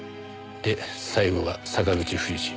で最後が坂口冬二。